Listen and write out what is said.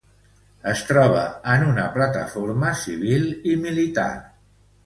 Es troba en una plataforma civil i militar.